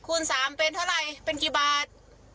คูณ๓เป็นเท่าไหร่เป็นกี่บาท